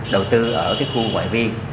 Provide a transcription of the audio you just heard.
đầu tư ở cái khu ngoại vi